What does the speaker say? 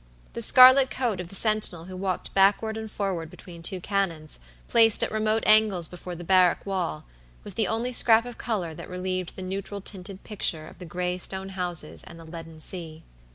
The scarlet coat of the sentinel who walked backward and forward between two cannons, placed at remote angles before the barrack wall, was the only scrap of color that relieved the neutral tinted picture of the gray stone houses and the leaden sea.